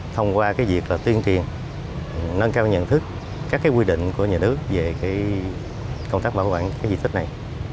thông qua việc tuyên truyền nâng cao nhận thức các quy định của nhà nước về công tác bảo quản di tích này